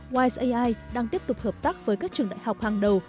wise ai đang tiếp tục hợp tác với các trường đại học hàng đầu